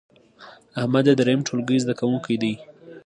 احمد د دریم ټولګې زده کوونکی دی.